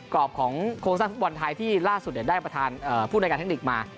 รอบของโครงสร้างฟุตบอลไทยที่ล่าสุดได้ประธานผู้ในการเทคนิคมา